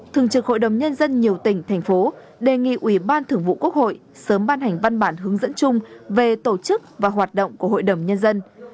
thường trực hội đồng nhân dân nhiều tỉnh thành phố đề nghị ủy ban thưởng vụ quốc hội sớm ban hành văn bản hướng dẫn chung về tổ chức và hoạt động của hội đồng nhân dân